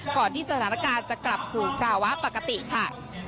ก่อนที่สถานการณ์จะกลับสู่ภาวะปกติค่ะ